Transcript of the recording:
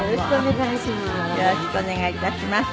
よろしくお願いします。